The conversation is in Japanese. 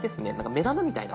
目玉みたいな。